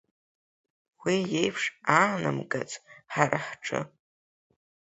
Уи еиԥш аанамгац ҳара ҳҿы.